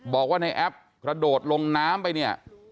บอกว่าในแอปกระโดดลงน้ำไปเนี่ย